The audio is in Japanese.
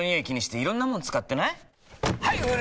気にしていろんなもの使ってない？